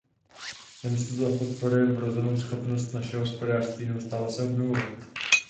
Namísto toho podporujme vrozenou schopnost našeho hospodářství neustále se obnovovat.